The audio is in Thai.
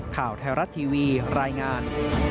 ข่าวแทรวรัตน์ทีวีรายงาน